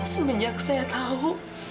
semenjak saya tahu